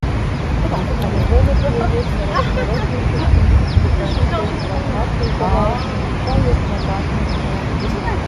Але голас яе сярод смяротнай цішыні, якая напоўніла хату, здавалася, гучаў як набатны звон.